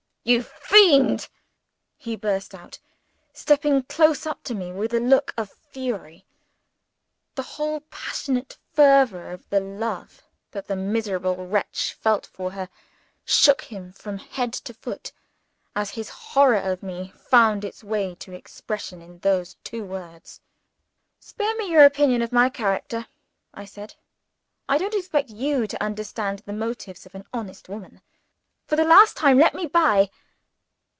"You fiend!" he burst out, stepping close up to me with a look of fury. The whole passionate fervour of the love that the miserable wretch felt for her, shook him from head to foot, as his horror of me found its way to expression in those two words. "Spare me your opinion of my character," I said. "I don't expect you to understand the motives of an honest woman. For the last time, let me by!"